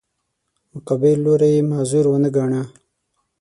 مقابل لوری یې معذور ونه ګاڼه.